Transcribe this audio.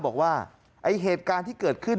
ทีมข่าวไปได้ข้อมูลเชิงลึก